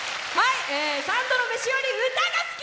三度の飯より歌が好き！